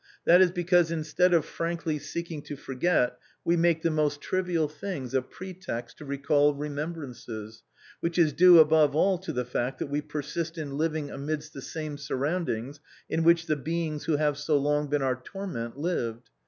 " That is because instead of frankly seeking to forget we make the most trivial things a pretext to recall remembrances, which is due above all to the fact that we persist in living amidst the same surroundings in which the beings who have so long been our torment lived.